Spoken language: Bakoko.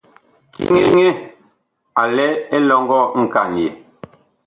Kiŋɛ a lɛ elɔŋgɔ nkanyɛɛ.